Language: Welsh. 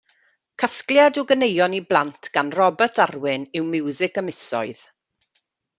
Casgliad o ganeuon i blant gan Robat Arwyn yw Miwsig y Misoedd.